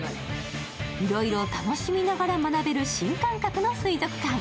いろいろ楽しみなが学べる新感覚の水族館。